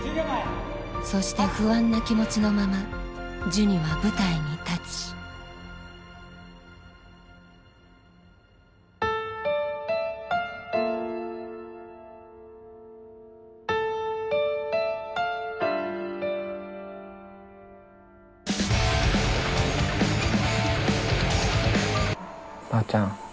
そして不安な気持ちのままジュニは舞台に立ちばあちゃん